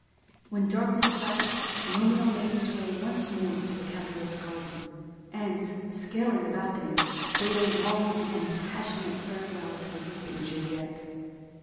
When darkness fell, Romeo made his way once more to the Capulet's garden, and, scaling the balcony, bade a long and passionate farewell to the weeping Juliet.